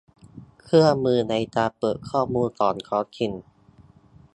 เครื่องมือในการเปิดข้อมูลของท้องถิ่น